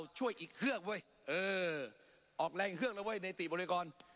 ช่วยอีกเครื่องเว้ยเออออกแรงอีกเครื่องแล้วเว้ยในติบริกร